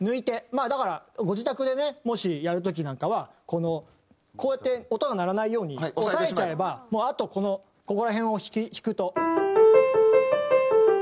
まあだからご自宅でねもしやる時なんかはこうやって音が鳴らないように押さえちゃえばもうあとここら辺を弾くと。